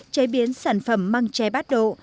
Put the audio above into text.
chế biến sản phẩm măng tre bắt độ